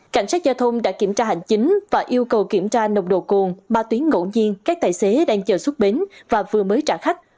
cảnh sát giao thông đã kiểm tra hành chính và yêu cầu kiểm tra nồng độ cồn ma túy ngẫu nhiên các tài xế đang chờ xuất bến và vừa mới trả khách